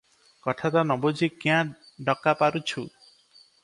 କଥା ନ ବୁଝି କ୍ୟାଁ ଡକା ପାରୁଛୁ?